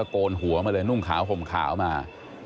ก็มาเลยนุ่มขาวห่มขาวมา